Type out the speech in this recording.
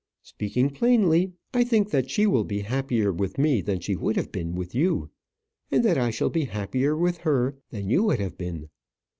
Speaking plainly, I think that she will be happier with me than she would have been with you; and that I shall be happier with her than you would have been.